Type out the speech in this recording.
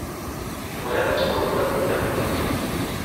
Tebɣiḍ ad teqqleḍ d abugaṭu.